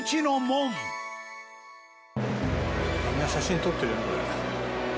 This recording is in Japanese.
「みんな写真撮ってるよねこれ」